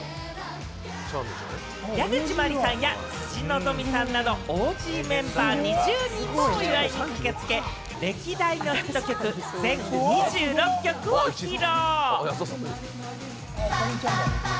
矢口真里さんや辻希美さんなどＯＧメンバー２０人もお祝いに駆けつけ、歴代のヒット曲、全２６曲を披露。